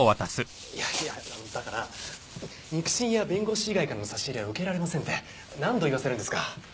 いやいやだから肉親や弁護士以外からの差し入れは受けられませんって何度言わせるんですか？